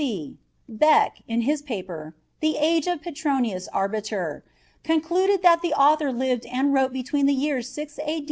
e Beck, in his paper, "The Age of Petronius Arbiter," concluded that the author lived and wrote between the years 6 A.